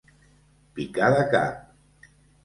Picar de cap.